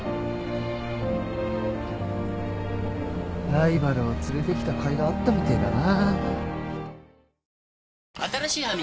ライバルを連れてきたかいがあったみてえだな。